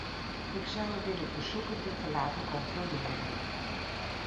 Ik zou u willen verzoeken dit te laten controleren.